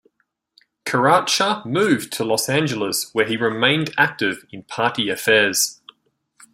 Keracher moved to Los Angeles, where he remained active in party affairs.